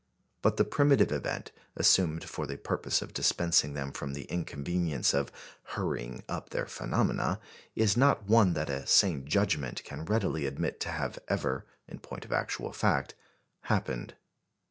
But the primitive event, assumed for the purpose of dispensing them from the inconvenience of "hurrying up their phenomena," is not one that a sane judgment can readily admit to have ever, in point of actual fact, happened.